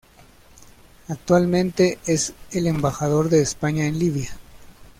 Actualmente es el Embajador de España en Libia.